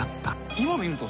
今見ると。